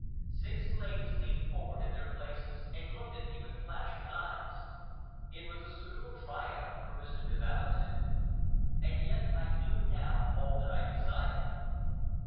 Six ladies leaned forward in their places, and looked at me with flashing eyes. It was a suitable triumph for Mr. de Valentin. And yet I knew now all that I desired.